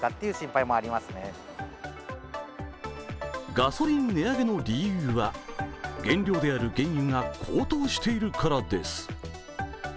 ガソリン値上げの理由は原料である原油が高騰しているからです。